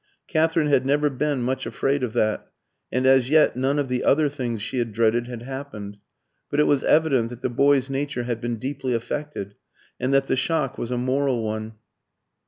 Katherine had never been much afraid of that, and as yet none of the other things she had dreaded had happened; but it was evident that the boy's nature had been deeply affected, and that the shock was a moral one.